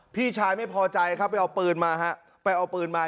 พี่ชายไม่พอใจไปเอาปืนมา